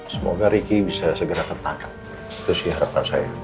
semoga riki bisa segera tertangkap itu sih harapan saya